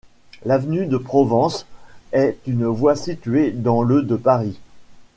L'avenue de Provence est une voie située dans le de Paris.